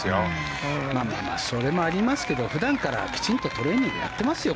まあ、それもありますけど普段からきちんとトレーニングをやってますよ。